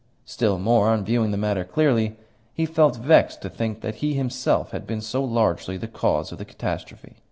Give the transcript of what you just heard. Still more, on viewing the matter clearly, he felt vexed to think that he himself had been so largely the cause of the catastrophe.